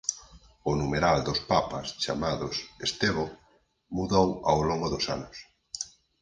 O numeral dos papas chamados Estevo mudou ao longo dos anos.